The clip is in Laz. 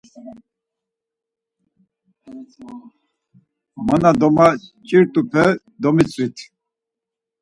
Ma na domaç̌irt̆upe domitzvit.